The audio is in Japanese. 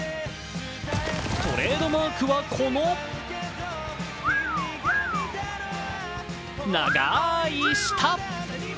トレードマークはこの長い舌。